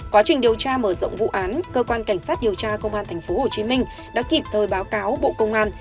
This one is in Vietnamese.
quá trình điều tra mở rộng vụ án cơ quan cảnh sát điều tra công an tp hcm đã kịp thời báo cáo bộ công an